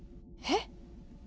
えっ？